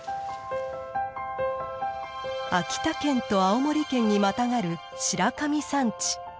秋田県と青森県にまたがる白神山地。